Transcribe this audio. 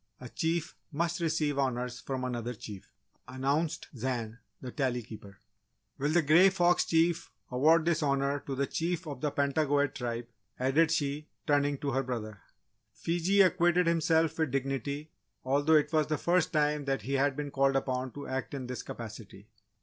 "A Chief must receive Honours from another Chief," announced Zan, the Tally Keeper. "Will the Grey Fox Chief award this Honour to the Chief of the Pentagoet Tribe?" added she, turning to her brother. Fiji acquitted himself with dignity, although it was the first time that he had been called upon to act in this capacity.